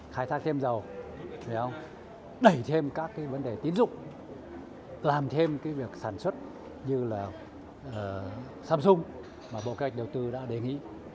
khai thác thêm dầu để thêm các vấn đề tín dụng làm thêm cái việc sản xuất như là samsung mà bộ kế hoạch đầu tư đã đề nghị